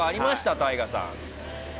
ＴＡＩＧＡさん。